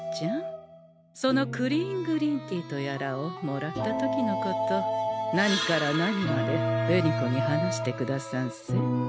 そのクリーングリーンティとやらをもらった時のこと何から何まで紅子に話してくださんせ。